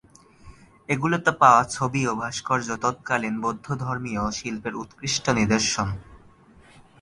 এগুলোতে পাওয়া ছবি ও ভাস্কর্য, তৎকালীন বৌদ্ধধর্মীয় শিল্পের উৎকৃষ্ট নিদর্শন।